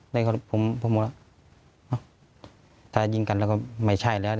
แต่ผมบอกว่าถ้ายิงกันแล้วก็ไม่ใช่แล้ว